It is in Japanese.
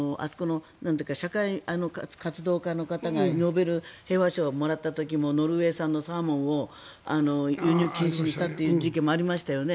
社会活動家の方がノーベル平和賞をもらった時もノルウェー産のサーモンを輸入禁止にしたという時期もありましたよね。